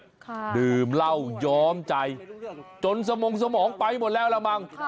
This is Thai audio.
ค่ะดื่มเหล้าย้อมใจจนสมงสมองไปหมดแล้วละมั้ง